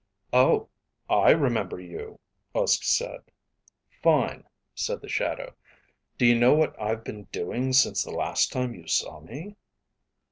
"Oh, I remember you," Uske said. "Fine," said the shadow. "Do you know what I've been doing since the last time you saw me?"